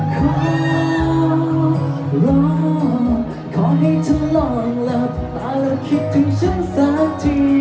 ขอร้องขอให้เธอลอยหลับตาแล้วคิดถึงฉันสักที